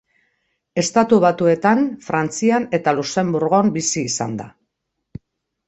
Estatu Batuetan, Frantzian eta Luxenburgon bizi izan da.